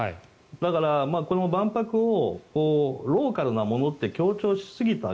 だから、万博をローカルなものと強調しすぎた。